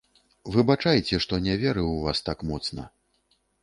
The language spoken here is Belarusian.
Выбачайце, што не верыў у вас так моцна.